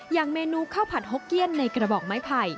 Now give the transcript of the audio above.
อย่างเมนูข้าวผัดหกเกี้ยนในกระบอกไม้ไผ่